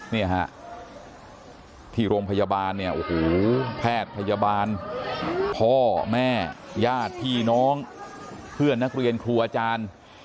เนี่ยฮะที่โรงพยาบาลเนี่ยโอ้โหแพทย์พยาบาลพ่อแม่ญาติพี่น้องเพื่อนนักเรียนครูอาจารย์